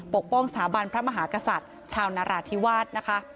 ปกป้องสถาบันพระมหากษัตริย์ชาวนราธิวาสนะคะ